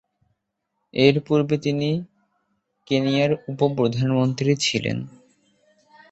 এর পূর্বে তিনি কেনিয়ার উপ-প্রধানমন্ত্রী ছিলেন।